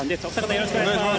よろしくお願いします。